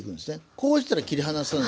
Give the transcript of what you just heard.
こうしたら切り離せない。